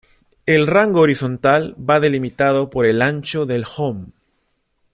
El rango horizontal va delimitado por el ancho del "home".